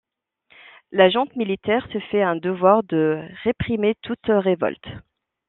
La junte militaire se fait un devoir de réprimer toute révolte.